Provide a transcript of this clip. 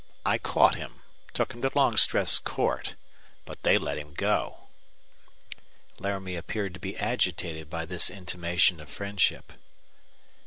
I caught him took him to Longstreth's court. But they let him go." Laramie appeared to be agitated by this intimation of friendship.